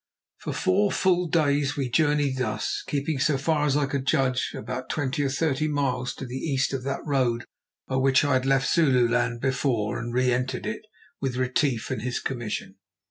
For four full days we journeyed thus, keeping, so far as I could judge, about twenty or thirty miles to the east of that road by which I had left Zululand before and re entered it with Retief and his commission.